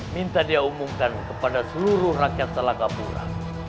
minta dia umumkan kepada seluruh rakyat telagapura